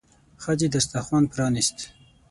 ښځې دسترخوان پرانيست.